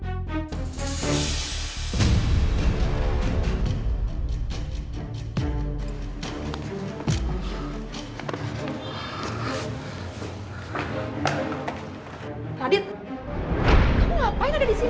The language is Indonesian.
kok ada m lewat jam tiga